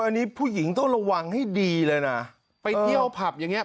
อันนี้ผู้หญิงต้องระวังให้ดีเลยนะไปเที่ยวผับอย่างเงี้